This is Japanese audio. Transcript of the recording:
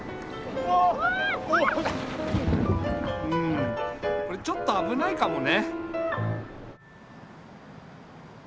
うんこれちょっとあぶないかもね。